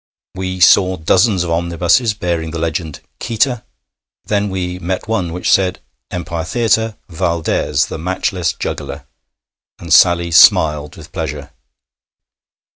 We saw dozens of omnibuses bearing the legend 'Qita.' Then we met one which said: 'Empire Theatre. Valdès, the matchless juggler,' and Sally smiled with pleasure.